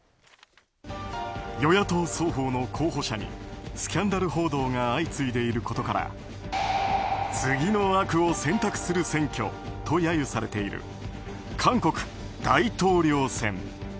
与野党双方の候補者にスキャンダル報道が相次いでいることから次の悪を選択する選挙と揶揄されている韓国大統領選。